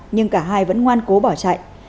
nhưng cả hai vẫn ngoan cố bỏ chạy